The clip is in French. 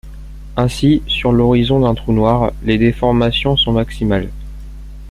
Ainsi, sur l’horizon d’un trou noir, les déformations sont maximales.